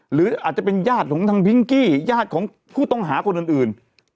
หรืออาจจะเป็นญาติของทางพิงกี้ญาติของผู้ต้องหาคนอื่น